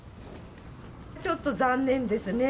ちょっと残念ですね。